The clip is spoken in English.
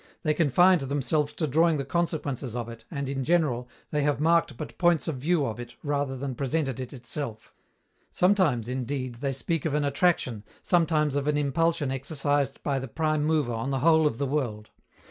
They confined themselves to drawing the consequences of it, and, in general, they have marked but points of view of it rather than presented it itself. Sometimes, indeed, they speak of an attraction, sometimes of an impulsion exercised by the prime mover on the whole of the world.